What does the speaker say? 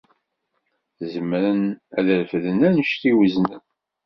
Zemren ad refden anect i weznen.